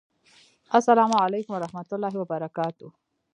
السلام علیکم ورحمة الله وبرکاته!